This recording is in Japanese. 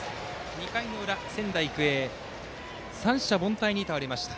２回裏、仙台育英三者凡退に倒れました。